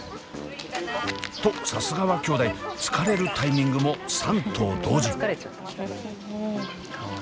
とさすがは兄弟疲れるタイミングも３頭同時。